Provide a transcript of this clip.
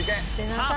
さあ